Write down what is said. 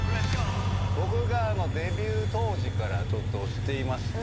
僕がデビュー当時からちょっと推していまして。